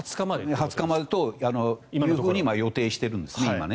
２０日までと今は予定しているんですね。